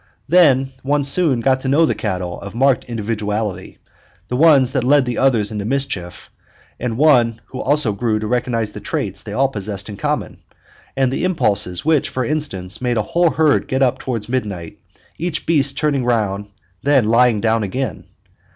Then, one soon got to know the cattle of marked individuality, the ones that led the others into mischief; and one also grew to recognize the traits they all possessed in common, and the impulses which, for instance, made a whole herd get up towards midnight, each beast turning round and then lying down again.